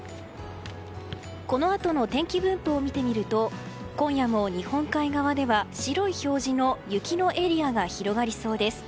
このあとの天気分布を見てみると今夜も日本海側では、白い表示の雪のエリアが広がりそうです。